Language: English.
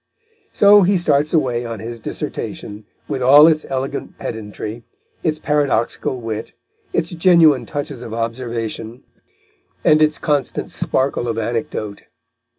So he starts away on his dissertation, with all its elegant pedantry, its paradoxical wit, its genuine touches of observation and its constant sparkle of anecdote.